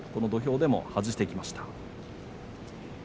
土俵でも外してきました。